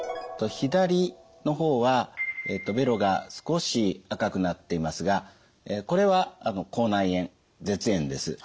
左の方はべろが少し赤くなっていますがこれは口内炎舌炎です。